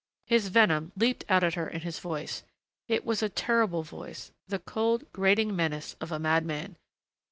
His venom leaped out at her in his voice. It was a terrible voice, the cold, grating menace of a madman.